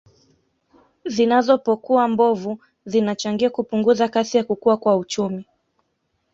Zinazopokuwa mbovu zinachangia kupunguza kasi ya kukua kwa uchumi